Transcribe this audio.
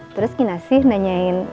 terus kinasyih nanyain alamatnya kak angmus